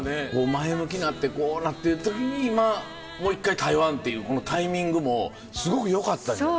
前向きなってこうなってる時に今もう一回台湾っていうこのタイミングもすごくよかったんじゃない？